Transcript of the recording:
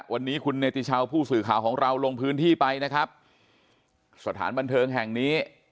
วันนี้คุณเนติชาวผู้สื่อข่าวของเราลงพื้นที่ไปนะครับสถานบันเทิงแห่งนี้